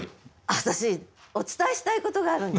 私お伝えしたいことがあるんです。